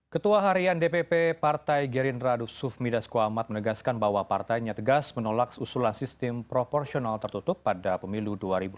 ketua harian dpp partai gerindra dusuf midasko ahmad menegaskan bahwa partainya tegas menolak usulan sistem proporsional tertutup pada pemilu dua ribu dua puluh